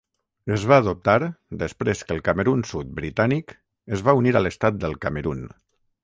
Es va adoptar després que el Camerun sud britànic es va unir a l'estat del Camerun.